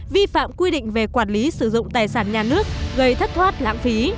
vi phạm quy định về quản lý sử dụng tài sản nhà nước gây thất thoát lãng phí